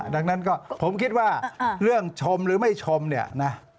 ดังนั้นก็ผมคิดว่าเรื่องชมหรือไม่ชมเนี่ยนะ